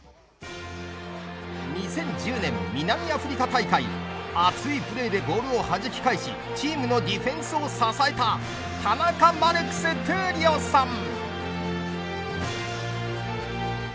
２０１０年、南アフリカ大会熱いプレーでボールを弾き返しチームのディフェンスを支えた田中マルクス闘莉王さん。